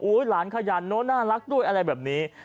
หลานขยันโน้น่ารักด้วยอะไรแบบนี้